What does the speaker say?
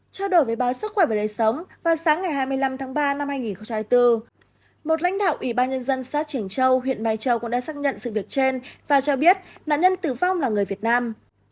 trao đổi với báo sức khỏe và đời sống vào sáng ngày hai mươi năm tháng ba năm hai nghìn hai mươi bốn một lãnh đạo ủy ban nhân dân xã triển châu huyện mai châu cũng đã xác nhận sự việc trên và cho biết nạn nhân tử vong là người việt nam